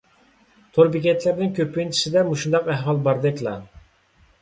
تور بېكەتلەرنىڭ كۆپىنچىسىدە مۇشۇنداق ئەھۋال باردەكلا.